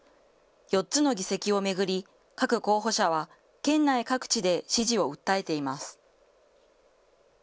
４つの議席を巡り、各候補者は県内各地で支持を訴えています。